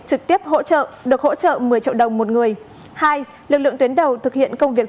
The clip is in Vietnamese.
trực tiếp hỗ trợ được hỗ trợ một mươi triệu đồng một người hai lực lượng tuyến đầu thực hiện công việc